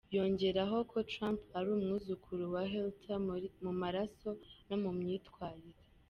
Yongeraho ko Trump ari umwuzukuru wa Hitler mu maraso no mu myitwarire.